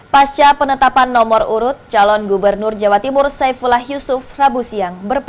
pasca penetapan nomor urut calon gubernur jawa timur saifullah yusuf rabu siang